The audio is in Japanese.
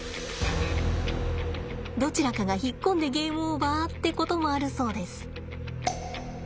どちらかが引っ込んでゲームオーバーってこともあるそうです。